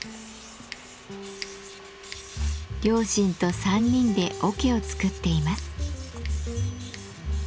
両親と３人で桶を作っています。